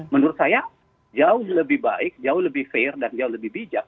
menurut saya jauh lebih baik jauh lebih fair dan jauh lebih bijak